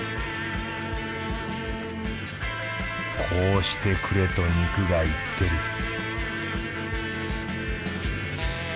こうしてくれと肉が言ってる